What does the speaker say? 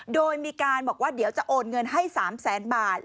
โดยมีการบอกว่าเดี๋ยวจะโอนเงินให้๓แสนบาท